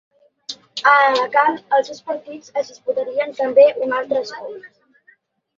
A Alacant els dos partits es disputarien també un altre escó.